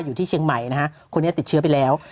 อยู่ที่เชียงใหม่นะฮะคนนี้ติดเชื้อไปแล้ว